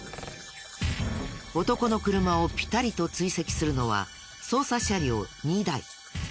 男の車をピタリと追跡するのは捜査車両２台。